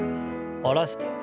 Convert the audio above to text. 下ろして。